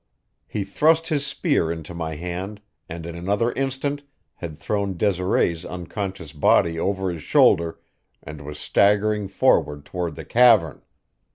He thrust his spear into my hand, and in another instant had thrown Desiree's unconscious body over his shoulder and was staggering forward toward the cavern.